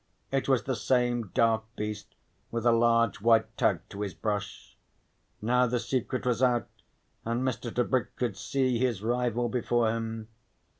It was the same dark beast with a large white tag to his brush. Now the secret was out and Mr. Tebrick could see his rival before him.